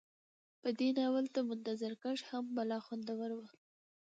په دې ناول ته منظره کشي هم بلا خوندوره وه